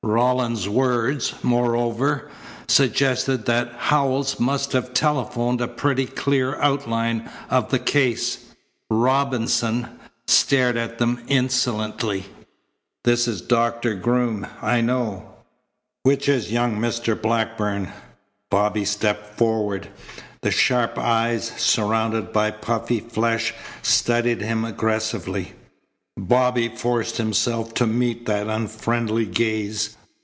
Rawlins's words, moreover, suggested that Howells must have telephoned a pretty clear outline of the case. Robinson stared at them insolently. "This is Doctor Groom, I know. Which is young Mr. Blackburn?" Bobby stepped forward. The sharp eyes, surrounded by puffy flesh, studied him aggressively. Bobby forced himself to meet that unfriendly gaze.